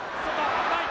危ない！